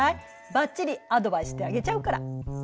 ばっちりアドバイスしてあげちゃうから。